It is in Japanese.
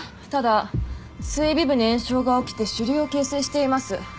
ただ膵尾部に炎症が起きて腫瘤を形成しています。